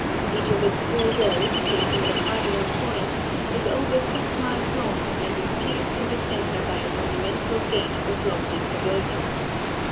Each of its four walls, facing the cardinal points, is over six miles long and is pierced in the center by a monumental gate with lofty pavilions.